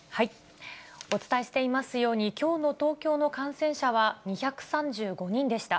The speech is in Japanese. お伝えしていますように、きょうの東京の感染者は２３５人でした。